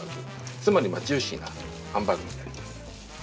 つまりジューシーなハンバーグになります。